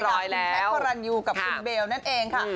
เทะโครนอยู่กับคุณเบลด์นั่นเองค่ะ